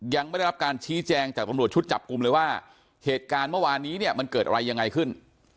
ยังไม่ได้รับการชี้แจงจากตำรวจชุดจับกลุ่มเลยว่าเหตุการณ์เมื่อวานนี้เนี่ยมันเกิดอะไรยังไงขึ้น